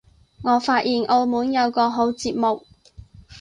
我發現澳門有個好節目